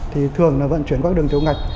thì thường là vận chuyển qua các đường tiêu ngạch